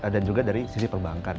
dan juga dari sisi perbankan